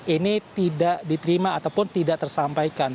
ini tidak diterima ataupun tidak tersampaikan